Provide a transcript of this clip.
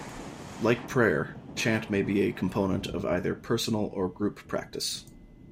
Like prayer, chant may be a component of either personal or group practice.